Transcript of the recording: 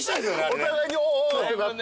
お互いに「おお」ってなって。